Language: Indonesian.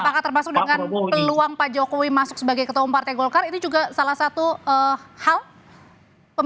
apakah termasuk dengan peluang pak jokowi masuk sebagai ketua umparte golkar